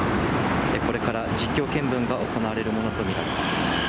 これから実況見分が行われるものと見られます。